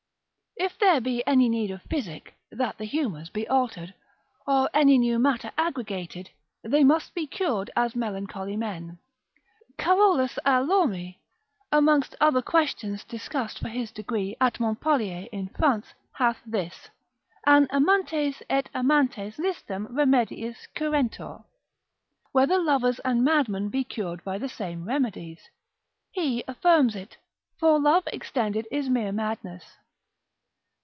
If there be any need of physic, that the humours be altered, or any new matter aggregated, they must be cured as melancholy men. Carolus a Lorme, amongst other questions discussed for his degree at Montpelier in France, hath this, An amantes et amantes iisdem remediis curentur? Whether lovers and madmen be cured by the same remedies? he affirms it; for love extended is mere madness.